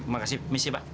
makasih permisi pak